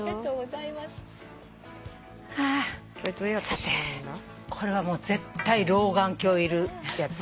さてこれはもう絶対老眼鏡いるやつ。